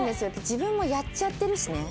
自分もやっちゃってるしね。